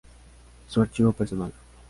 Su archivo personal".